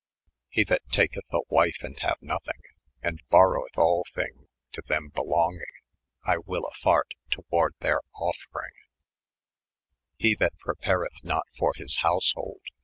170 ' He tibat taketh a wyfe, and faane nothing, And boroweth aU thyiig to them belonging; I wyll a fart toward theyr ofiryng, 1'3 ■ He that prepareth not for his housbold [p.